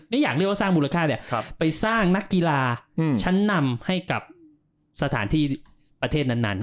อยากเรียกว่าสร้างมูลค่าไปสร้างนักกีฬาชั้นนำให้กับสถานที่ประเทศนั้น